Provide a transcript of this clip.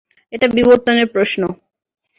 এটা বিবর্তনের প্রশ্ন।